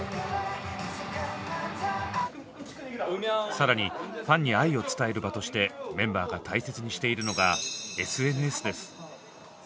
更にファンに愛を伝える場としてメンバーが大切にしているのがＳＮＳです。